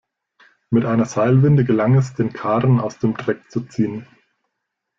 Mit einer Seilwinde gelang es, den Karren aus dem Dreck zu ziehen.